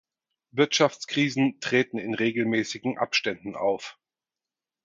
Wirtschaftskrisen treten in regelmäßigen Abständen auf.